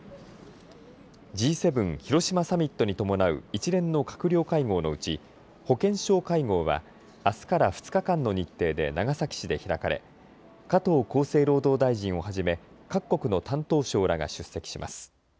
Ｇ７広島サミットに伴う一連の閣僚会合のうち、保健相会合はあすから２日間の日程で長崎市で開かれ加藤厚生労働大臣をはじめ各国の担当相らが出席します。